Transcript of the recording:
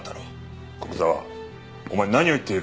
古久沢お前何を言っている？